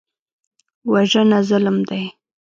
وژنه ظلم دی